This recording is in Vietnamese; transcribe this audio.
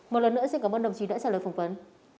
một lần nữa xin cảm ơn đồng chí đã trả lời phỏng vấn